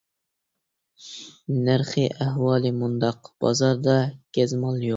نەرخى ئەھۋالى مۇنداق: بازاردا گەزمال يوق.